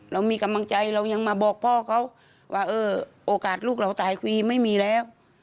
เรามีกำลังใจเรายังมาบอกพ่อเขาว่าเออโอกาสลูกเราตายคุยไม่มีแล้ว